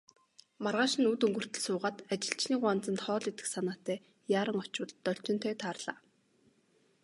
Маргааш нь үд өнгөртөл суугаад, ажилчны гуанзанд хоол идэх санаатай яаран очвол Должинтой тааралдлаа.